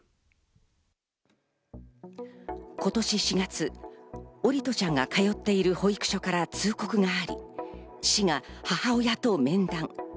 今年４月、桜利斗ちゃんが通っている保育所から通告があり、市が母親と面談。